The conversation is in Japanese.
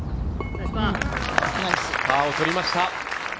パーを取りました。